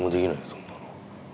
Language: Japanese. そんなの。